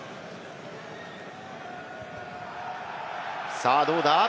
さぁ、どうだ？